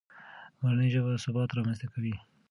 مورنۍ ژبه ثبات رامنځته کوي.